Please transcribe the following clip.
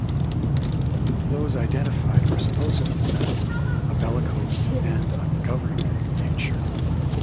Those identified were supposed to possess a bellicose and ungovernable nature.